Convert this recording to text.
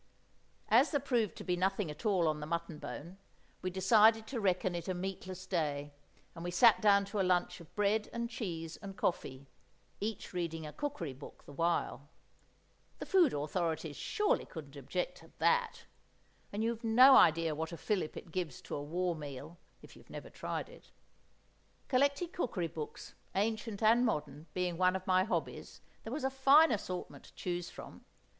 As there proved to be nothing at all on the mutton bone, we decided to reckon it a meatless day, and we sat down to a lunch of bread and cheese and coffee—each reading a cookery book the while. The Food Authorities surely couldn't object to that!—and you've no idea what a fillip it gives to a war meal, if you've never tried it. Collecting cookery books, ancient and modern, being one of my hobbies, there was a fine assortment to choose from.